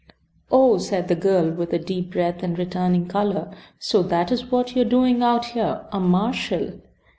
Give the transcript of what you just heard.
"Oh!" said the girl, with a deep breath and returning color. "So that is what you are doing out here? A marshal!"